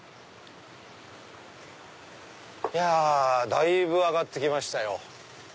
いやだいぶ上がってきましたよ。